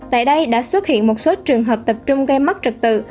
tại đây đã xuất hiện một số trường hợp tập trung gây mất trật tự